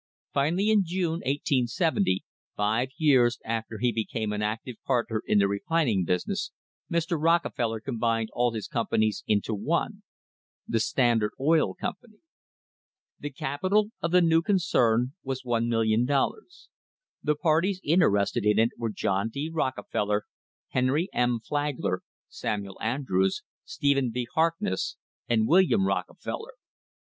Finally, in June, 1870, five years after he became an active partner in the refining business, Mr. Rockefeller combined all his companies into one — the Standard Oil Company. The capi tal of the new concern was $1,000,000. The parties inter ested in it were John D. Rockefeller, Henry M. Flag ler, Samuel Andrews, Stephen V. Harkness, and William Rockefeller.